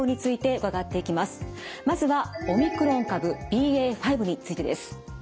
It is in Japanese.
まずはオミクロン株ＢＡ．５についてです。